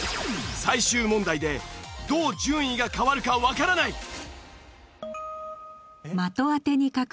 最終問題でどう順位が変わるかわからない！